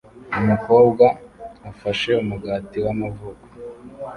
Umukobwa afashe umugati w'amavuko